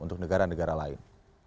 untuk negara negara lain